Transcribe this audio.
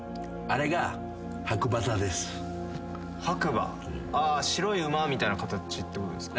あ白い馬みたいな形ってことですか？